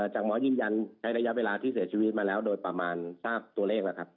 จากหมอยืนยันใช้ระยะเวลาที่เสียชีวิตมาแล้วโดยประมาณทราบตัวเลขแล้วครับ